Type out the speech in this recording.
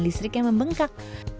listrik yang membengkak